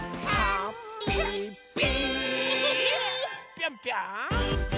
ぴょんぴょん！